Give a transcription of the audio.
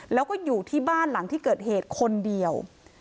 แล้วก็อยู่ที่บ้านหลังที่เกิดเหตุคนเดียว